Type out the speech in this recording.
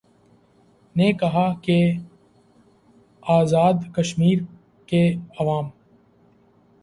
نے کہا کہ آزادکشمیر کےعوام